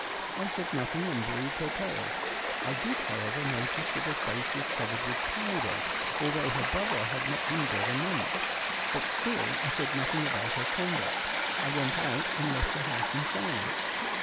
I said nothing and believed her tale. I did, however, notice that her face was covered with powder — although her brother had not been dead a month — but still I said nothing about her conduct. I went out and left the house in silence.